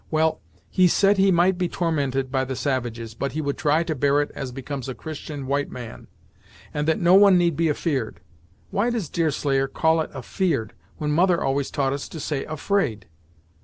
Well, he said he might be tormented by the savages, but he would try to bear it as becomes a Christian white man, and that no one need be afeard why does Deerslayer call it afeard, when mother always taught us to say afraid?"